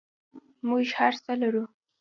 موږ هر څه لرو؟